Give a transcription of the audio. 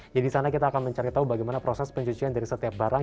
jadi di sana kita akan mencari tahu bagaimana proses pencucian dari setiap barang